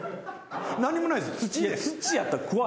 何にもないです